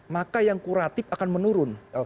maka yang kuratif akan menurun